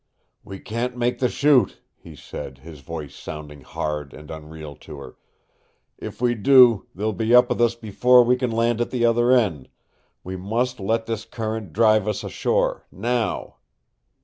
"We can't make the Chute," he said, his voice sounding hard and unreal to her. "If we do, they'll be up with us before we can land at the other end. We must let this current drive us ashore NOW."